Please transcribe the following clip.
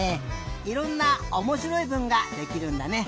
いろんなおもしろいぶんができるんだね。